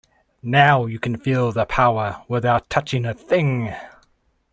Now you can feel the power without touching a thing.